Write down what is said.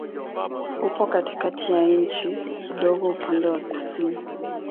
Upo katikati ya nchi, kidogo upande wa kusini.